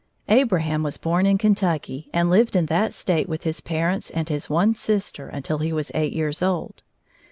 Abraham was born in Kentucky and lived in that State with his parents and his one sister until he was eight years old.